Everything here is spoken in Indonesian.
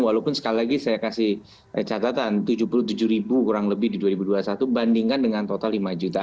walaupun sekali lagi saya kasih catatan tujuh puluh tujuh ribu kurang lebih di dua ribu dua puluh satu bandingkan dengan total lima juta